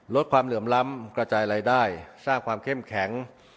ลดความเหลื่อมล้ำกระจายรายได้สร้างความเข้มแข็ง